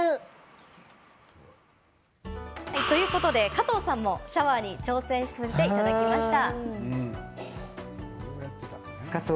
加藤さんも、シャワーに挑戦させていただきました。